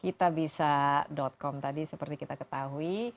kita bisa com tadi seperti kita ketahui